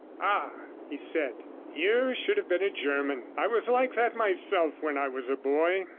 'Ah,' he said, 'you should have been a German. I was like that myself when I was a boy.